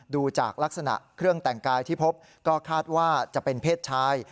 ดูจากลักษณะเครื่องแต่งกายที่พบก็คาดว่าจะเป็นเพศชาย